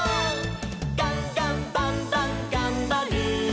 「ガンガンバンバンがんばる！」